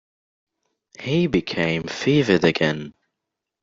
He became fevered again.